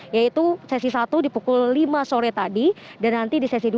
yaitu sesi satu di pukul lima sore tadi dan nanti di sesi dua